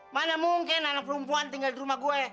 mana mungkin anak perempuan tinggal di rumah gue